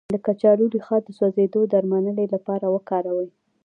د کچالو ریښه د سوځیدو د درملنې لپاره وکاروئ